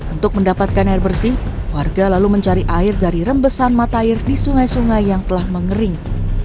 untuk mendapatkan air bersih warga lalu mencari air dari rembesan mata air di sungai sungai yang telah mengering